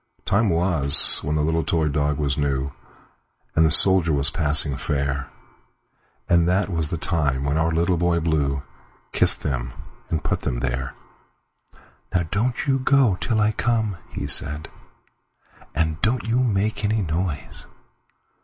Time was when the little toy dog was new, And the soldier was passing fair; And that was the time when our Little Boy BlueKissed them and put them there."Now don't you go till I come," he said,"And don't you make any noise!"